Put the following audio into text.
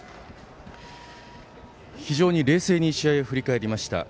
非常に冷静に試合を振り返りました。